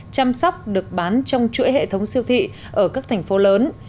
chăm sóc được bán trong chuỗi hệ thống siêu thị ở các thành phố lớn